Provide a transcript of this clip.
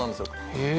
へえ。